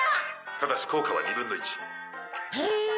「ただし効果は２分の１」へえ！